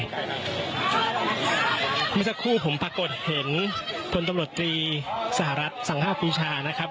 เมื่อสักครู่ผมปรากฏเห็นพลตำรวจตรีสหรัฐสังหาปีชานะครับ